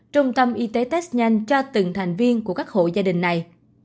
trung tâm y tế test nhanh cho từng thành viên của các hộ gia đình này